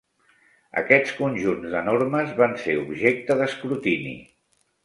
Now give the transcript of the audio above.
Aquests conjunts de normes van ser objecte d'escrutini.